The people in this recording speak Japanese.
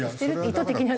意図的な。